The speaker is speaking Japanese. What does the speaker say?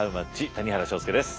谷原章介です。